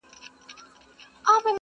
روغ دې وزرونه پانوسونو ته به څه وایو.!